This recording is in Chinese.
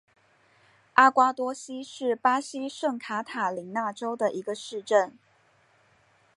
阿瓜多西是巴西圣卡塔琳娜州的一个市镇。